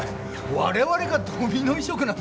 我々がドミノ移植なんて。